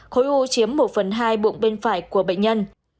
khối u chiếm một phần hai bụng bên phải của bệnh nhân